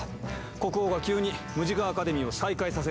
国王が急にムジカ・アカデミーを再開させるなんて。